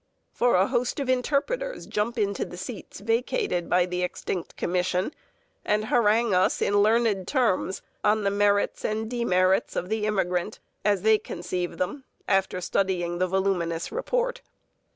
For a host of interpreters jump into the seats vacated by the extinct commission and harangue us in learned terms on the merits and demerits of the immigrant, as they conceive them, after studying the voluminous report.